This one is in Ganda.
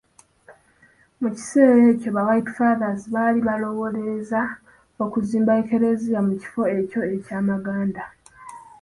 Mu kiseera ekyo White Fathers baali balowoolereza okuzimba eklezia mu kifo ekyo Kyamaganda.